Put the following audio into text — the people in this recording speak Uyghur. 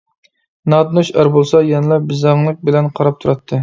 ناتونۇش ئەر بولسا يەنىلا بىزەڭلىك بىلەن قاراپ تۇراتتى.